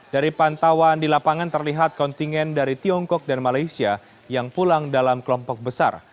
dari pantauan di lapangan terlihat kontingen dari tiongkok dan malaysia yang pulang dalam kelompok besar